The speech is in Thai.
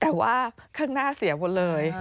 แต่ว่าข้างหน้าเสียหมดเลย